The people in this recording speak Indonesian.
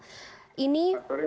selamat sore mbak fani